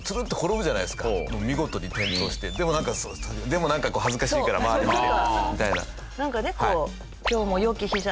でもなんか恥ずかしいから周り見てみたいな。